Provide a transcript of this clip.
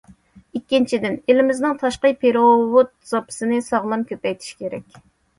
ئىككىنچىدىن، ئېلىمىزنىڭ تاشقى پېرېۋوت زاپىسىنى ساغلام كۆپەيتىش كېرەك.